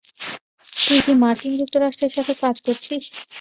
তুই কী মার্কিন যুক্তরাষ্ট্রের সাথে কাজ করছিস?